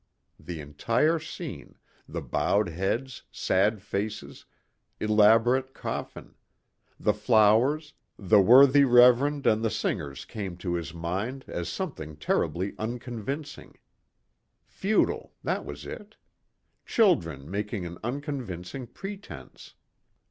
The entire scene, the bowed heads, sad faces, elaborate coffin; the flowers, the worthy reverend and the singers came to his mind as something terribly unconvincing. Futile, that was it. Children making an unconvincing pretense.